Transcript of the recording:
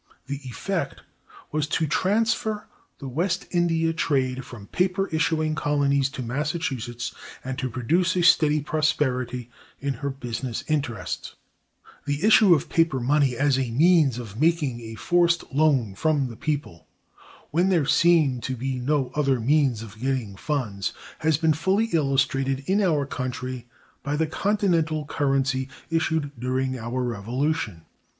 The effect was to transfer the West India trade from paper issuing colonies to Massachusetts, and to produce a steady prosperity in her business interests. [Illustration: Chart XI.] Chart XI. Continental Currency, Issue and Depreciation. The issue of paper money as a means of making a forced loan from the people, when there seem to be no other means of getting funds, has been fully illustrated in our country by the Continental currency issued during our Revolution.